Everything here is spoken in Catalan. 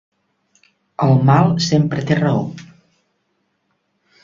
El mal sempre té raó.